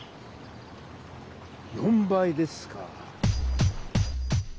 ４倍ですか。